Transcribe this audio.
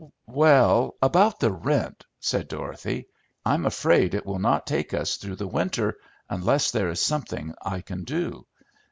"Well, about the rent," said Dorothy. "I'm afraid it will not take us through the winter, unless there is something I can do.